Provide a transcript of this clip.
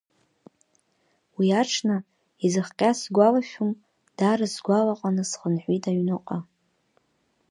Уи аҽны, изыхҟьаз сгәалашәом, даара сгәалаҟаны схынҳәит аҩныҟа.